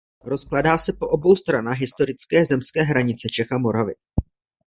Rozkládá se po obou stranách historické zemské hranice Čech a Moravy.